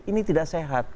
ini tidak sehat